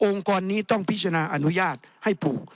กรนี้ต้องพิจารณาอนุญาตให้ปลูก